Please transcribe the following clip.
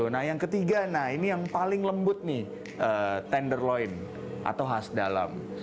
nah yang ketiga nah ini yang paling lembut nih tenderloin atau khas dalam